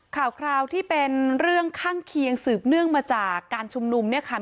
ข่าวคราวที่เป็นเรื่องข้างเคียงสืบเนื่องมาจากการชุมนุมเนี่ยค่ะ